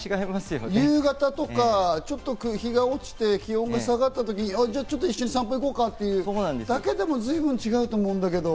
夕方とか、ちょっと日が落ちて気温が下がったときにちょっと一緒に散歩行こうかって言うだけでも随分違うと思うんだけど。